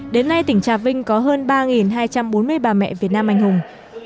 đến nay tỉnh trà vinh có hơn ba hai trăm bốn mươi bà mẹ việt nam anh hùng